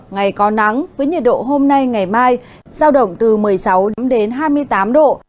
ngày có nắng với nhiệt độ hôm nay ngày mai giao động từ một mươi sáu hai mươi tám độ